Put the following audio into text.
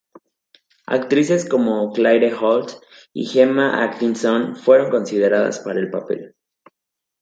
Actrices como Claire Holt y Gemma Atkinson fueron consideradas para el papel.